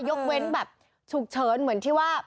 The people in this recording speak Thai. ยกเว้นแบบฉุกเฉินเหมือนที่ว่า